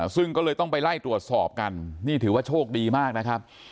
ซึ่งก็เลยต้องไปไล่ตรวจสอบกันนี่ถือว่าโชคดีมากนะครับ